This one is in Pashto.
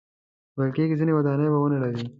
ویل کېږي ځینې ودانۍ به ونړوي.